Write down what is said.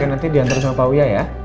oke nanti diantar sama pak uya ya